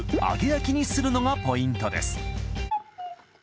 揚げ焼きにするのがポイントです